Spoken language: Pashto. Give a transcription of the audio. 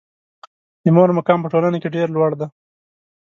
د مور مقام په ټولنه کې ډېر لوړ ده.